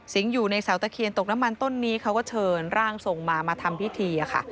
อยู่ในเสาตะเคียนตกน้ำมันต้นนี้เขาก็เชิญร่างทรงมามาทำพิธีค่ะ